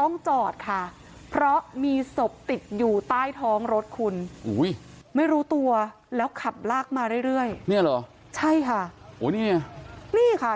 นี่ค่ะอยู่ใต้ท้องรสแบบนี้ค่ะ